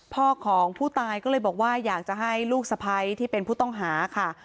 พ่อของผู้ตายก็เลยบอกว่าอยากจะให้ลูกสะพ้ายที่เป็นผู้ต้องหาค่ะ